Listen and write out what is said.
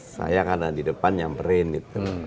saya karena di depan nyamperin gitu